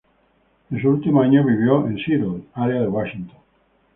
En sus últimos años vivió en Seattle, área de Washington.